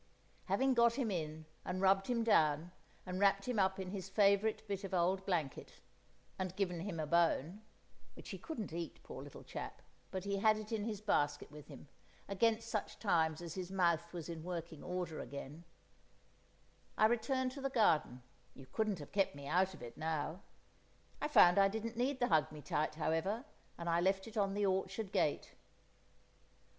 Having got him in, and rubbed him down, and wrapped him up in his favourite bit of old blanket, and given him a bone (which he couldn't eat, poor little chap, but he had it in his basket with him, against such times as his mouth was in working order again), I returned to the garden—you couldn't have kept me out of it now! I found I didn't need the hug me tight, however, and I left it on the orchard gate.